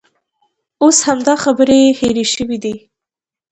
اوس همدا خبرې هېرې شوې دي.